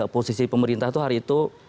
posisi pemerintah itu hari itu